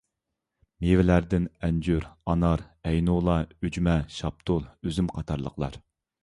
مېۋىلەردىن ئەنجۈر، ئانار، ئەينۇلا، ئۈجمە، شاپتۇل، ئۈزۈم قاتارلىقلار.